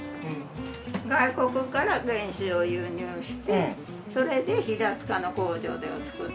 外国から原酒を輸入してそれで平塚の工場で作ってそれでここに。